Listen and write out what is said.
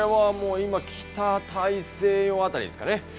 今、北大西洋辺りですかね。